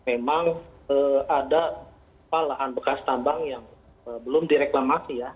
memang ada lahan bekas tambang yang belum direklamasi ya